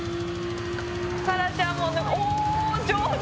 さらちゃんもおお上手！